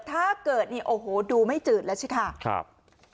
ถ้าเกิดนี่โอ้โหดูไม่จืดแล้วใช่ค่ะครับ